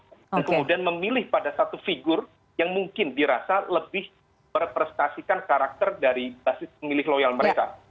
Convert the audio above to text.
dan kemudian memilih pada satu figur yang mungkin dirasa lebih merepresentasikan karakter dari basis pemilih loyal mereka